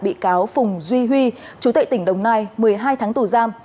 bị cáo phùng duy huy chú tệ tỉnh đồng nai một mươi hai tháng tù giam